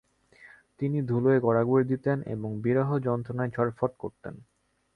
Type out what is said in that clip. তিনি ধুলোয় গড়াগড়ি দিতেন এবং বিরহ-যন্ত্রণায় ছটফট করতেন।